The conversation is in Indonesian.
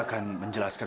rangga benar kembalikan